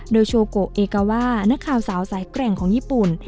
โดยโชโกะเอกาว่านักข่าวสาวสายแกร่งของญี่ปุ่น